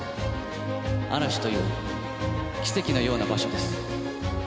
嵐という奇跡のような場所です。